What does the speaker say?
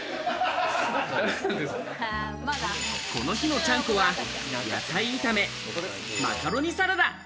この日のちゃんこは野菜炒め、マカロニサラダ。